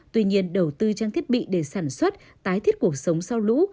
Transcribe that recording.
tuy nhiên đầu tư trang thiết bị để sản xuất tái thiết cuộc sống sau lũ